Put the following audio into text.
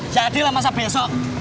jadilah masa besok